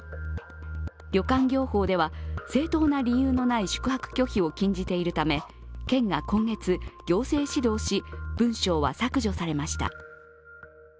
旅館業法では、正当な理由のない宿泊拒否を禁じているため県が今月、行政指導し、文章は削除されました。